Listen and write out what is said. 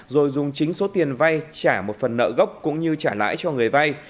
rồi dùng chính số tiền vay trả một phần nợ gốc cũng như trả lãi cho người vay